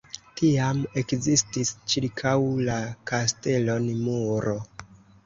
Tiam ekzistis ĉirkaŭ la kastelon muro.